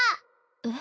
えっ？